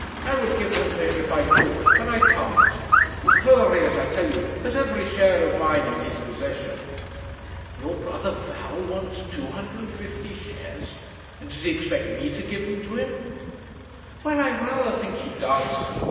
I would give them to him if I could, but I can't. M'Cleury, as I tell you, has every share of mine in his possession.' 'Your brother Val wants 250 shares! And does he expect me to give them to him?' 'Well I rather think he does.